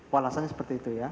walasannya seperti itu ya